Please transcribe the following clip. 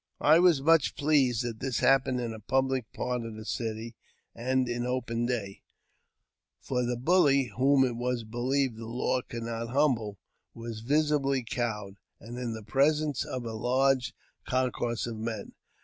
I was much pleased that this happened in a public part of the city, and in open day ; for the bully, whom it was be lieved the law could not humble, was visibly cowed, and in the presence of a large concourse of men.